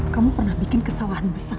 kamu pernah bikin kesalahan besar